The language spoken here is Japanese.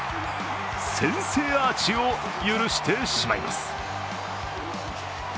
先制アーチを許してしまいます。